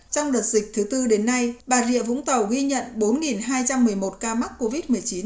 trong đợt dịch thứ tư đến nay bà rịa vũng tàu ghi nhận bốn hai trăm một mươi một ca mắc covid một mươi chín